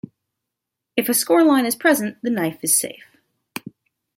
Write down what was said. If a score line is present, the knife is safe.